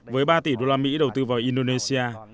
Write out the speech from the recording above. với ba tỷ usd đầu tư vào indonesia